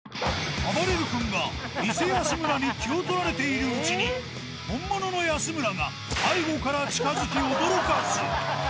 あばれる君が偽安村に気を取られているうちに、本物の安村が背後から近づき、驚かす。